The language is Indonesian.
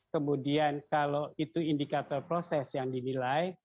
kemudian kalau itu indikator proses yang dinilai